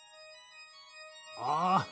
「ああ！